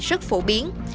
rất phổ biến